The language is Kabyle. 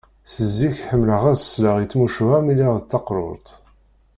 Seg zik ḥemmleɣ ad sleɣ i tmucuha mi lliɣ d taqrurt.